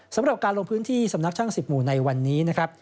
สำหรับการลงพื้นที่สำนักช่าง๑๐หมู่ในวันนี้นะครับ